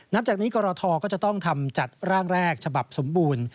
จากนี้กรทก็จะต้องทำจัดร่างแรกฉบับสมบูรณ์